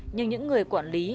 nhưng những người quản lý